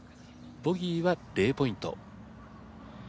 ボギーは０ポイント。